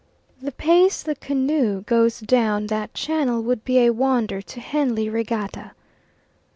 The pace the canoe goes down that channel would be a wonder to Henley Regatta.